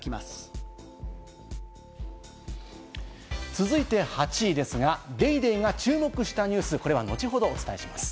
続いて８位ですが、『ＤａｙＤａｙ．』が注目したニュース、これは後ほどお伝えします。